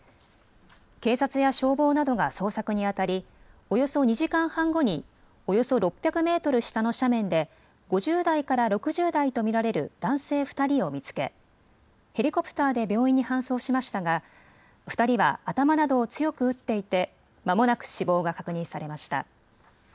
警察や消防などが捜索にあたり、およそ２時間半後におよそ６００メートル下の斜面で５０代から６０代と見られる男性２人を見つけヘリコプターで病院に搬送しましたが２人は頭などを強く打っていてまもなく死亡が確認されました。